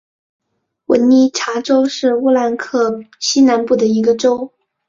文尼察州是乌克兰西南部的一个州。